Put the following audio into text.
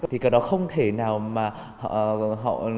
thì cả đó không thể nào mà họ